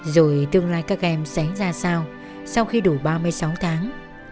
rồi tương lai các em sẽ ra sao sau khi đủ ba mươi sáu tháng